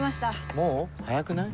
もう？早くない？